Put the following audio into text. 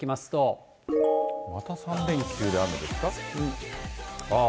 また３連休で雨ですか。